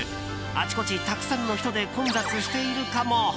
あちこちたくさんの人で混雑しているかも。